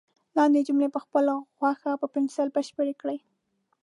لاندې جملې په خپله خوښه په پنسل بشپړ کړئ.